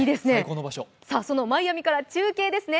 そのマイアミから中継ですね。